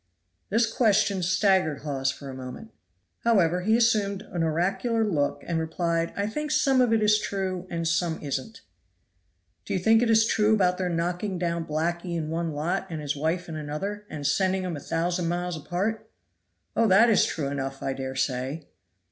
This question staggered Hawes for a moment. However he assumed an oracular look, and replied, "I think some of it is true and some isn't." "Do you think it is true about their knocking down blackee in one lot, and his wife in another, and sending 'em a thousand miles apart?" "Oh, that is true enough! I daresay."